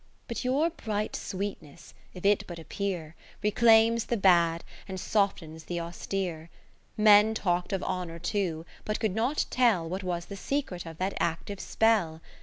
But your bright sweetness if it but appear, Reclaims the bad, and softens the austere. 70 Men talk'd of Honour too, but could not tell What was the secret of that active spell.